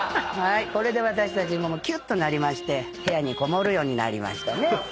これで私たちきゅっとなりまして部屋にこもるようになりましたね。